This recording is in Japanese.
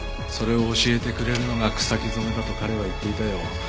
それを教えてくれるのが草木染めだと彼は言っていたよ。